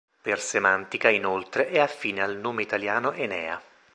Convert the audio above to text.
Per semantica, inoltre, è affine al nome italiano Enea.